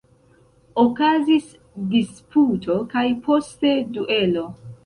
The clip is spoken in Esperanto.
Okazis disputo kaj poste duelo.